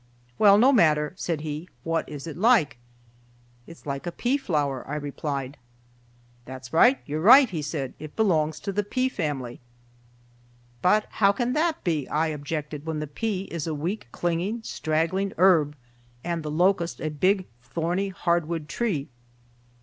"Well, no matter," said he, "what is it like?" "It's like a pea flower," I replied. "That's right. You're right," he said, "it belongs to the Pea Family." "But how can that be," I objected, "when the pea is a weak, clinging, straggling herb, and the locust a big, thorny hardwood tree?"